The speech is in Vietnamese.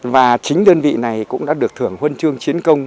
và chính đơn vị này cũng đã được thưởng huân chương chiến công